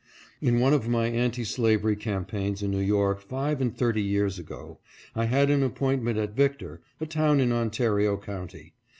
In one of my anti slavery campaigns in New York five and thirty years ago I had an appointment at Victor, a town in Ontario county.